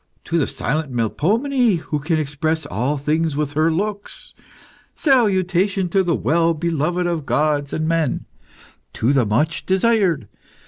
To the silent Melpomene, who can express all things with her looks! Salutation to the well beloved of gods and men! To the much desired!